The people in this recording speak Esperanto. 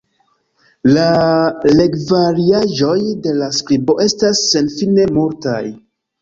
La legvariaĵoj de la skribo estas senfine multaj.